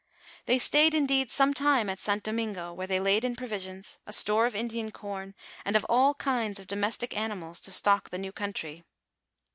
They stayed, indeed, some time at St. Do mingo, where they laid in provisions, a store of Indian com, and of all kinds of domestic animals to stock the new coun try.